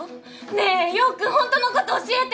ねえ陽君ほんとのこと教えて！